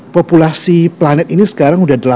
populasi planet ini sekarang sudah delapan miliar